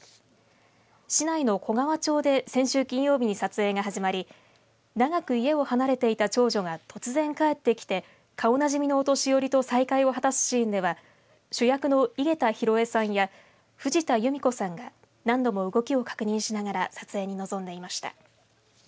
市内の小川町で先週金曜日に撮影が始まり長く家を離れていた長女が突然、帰ってきて顔なじみのお年寄りと再会を果たすシーンでは主役の井桁弘恵さんや藤田弓子さんが何度も動きを確認しながら撮影に臨んでいました。